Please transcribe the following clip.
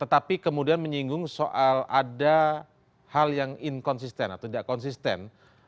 tetapi kemudian menyinggung soal ada hal yang inkonsisten atau tidak konsisten